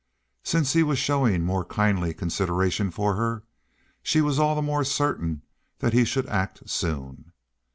Since he was showing more kindly consideration for her, she was all the more certain that he should act soon.